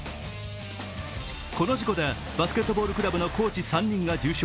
この事故でバスケットボールクラブのコーチ３人が重傷。